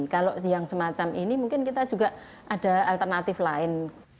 kalau siang semacam ini mungkin kita juga ada alternatif lain